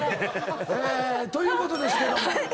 えということですけれども。